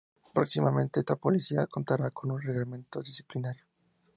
Próximamente esta policía contará con un reglamento disciplinario.